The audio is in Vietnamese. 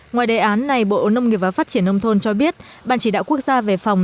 ngoài đề án này bộ nông nghiệp và phát triển nông thôn cho biết ban chỉ đạo quốc gia về phòng